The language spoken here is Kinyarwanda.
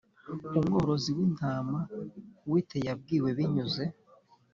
Umworozi w intama w i teyabwiwe binyuze